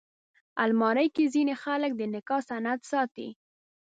الماري کې ځینې خلک د نکاح سند ساتي